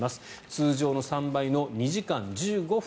通常の３倍の２時間１５分